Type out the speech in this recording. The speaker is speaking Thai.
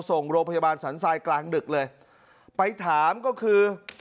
ส่งโรงพยาบาลสันทรายกลางดึกเลยไปถามก็คือ